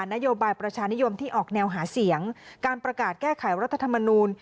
นโยบายประชานิยมที่ออกแนวหาเสียงการประกาศแก้ไขรัฐธรรมนูล